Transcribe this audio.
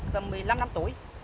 trong kỳ kỳ hành vi phá hoại